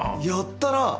やったな！